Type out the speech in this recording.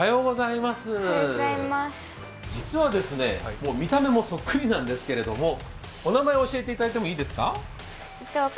実は、見た目もそっくりなんですけれども、お名前を教えていただいてもよろしいですか。